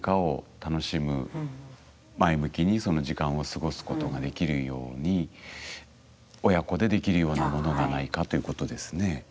前向きにその時間を過ごすことができるように親子でできるようなものがないかということですね。